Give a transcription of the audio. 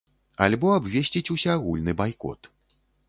Альбо абвесціць усеагульны байкот.